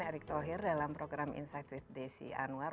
erik thohir dalam program inside with desy anwar